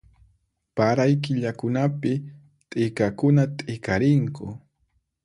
Paray killakunapi t'ikakuna t'ikarinku